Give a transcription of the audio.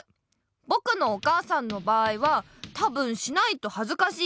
ぼくのお母さんの場合はたぶんしないとはずかしい。